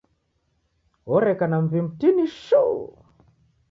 Oreka na muw'i mtini shuu.